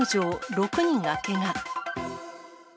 ６人がけが。